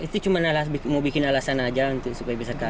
itu cuma mau bikin alasan aja supaya bisa kalah